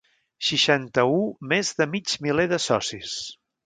Seixanta-u més de mig miler de socis.